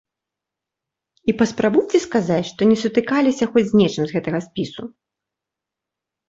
І паспрабуйце сказаць, што не сутыкаліся хоць з нечым з гэтага спісу.